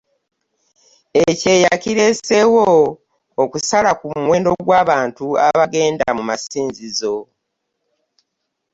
ekyeya kireeseewo okusala ku muwendo gw'abantu abagenda mu masinzizo